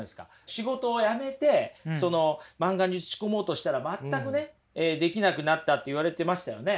仕事を辞めて漫画に打ち込もうとしたら全くできなくなったって言われてましたよね。